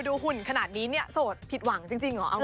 หุ่นขนาดนี้เนี่ยโสดผิดหวังจริงเหรอ